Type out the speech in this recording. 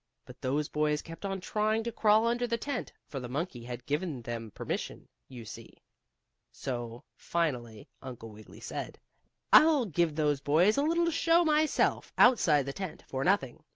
But those boys kept on trying to crawl under the tent, for the monkey had given them permission, you see. So finally Uncle Wiggily said: "I'll give those boys a little show myself, outside the tent, for nothing.